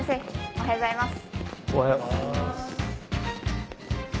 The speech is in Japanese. おはようございます。